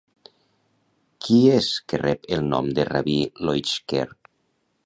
Qui és que rep el nom de Rabí Loitzker?